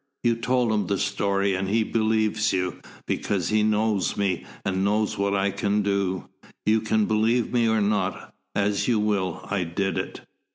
You told him the story, and he believes you, because he knows me, and knows what I can do. You can believe me or not; as you will. I did it."